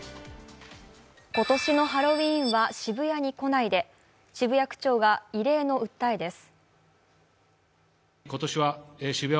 今年のハロウィーンは渋谷に来ないで、渋谷区長が異例の訴えです。